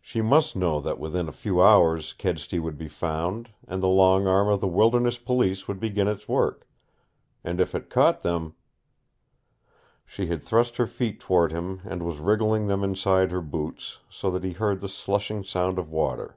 She must know that within a few hours Kedsty would be found, and the long arm of the wilderness police would begin its work. And if it caught them She had thrust her feet toward him and was wriggling them inside her boots, so that he heard the slushing sound of water.